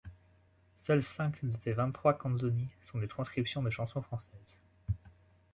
Seules cinq de ses vingt-trois canzoni sont des transcriptions de chansons françaises.